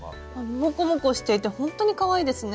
モコモコしていてほんとにかわいいですね。